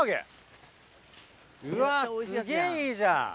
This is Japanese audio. うわすげぇいいじゃん。